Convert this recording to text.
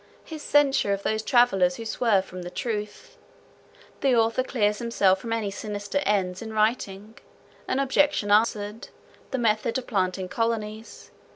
His censure of those travellers who swerve from the truth. The author clears himself from any sinister ends in writing. An objection answered. The method of planting colonies.